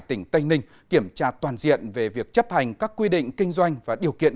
tỉnh tây ninh kiểm tra toàn diện về việc chấp hành các quy định kinh doanh và điều kiện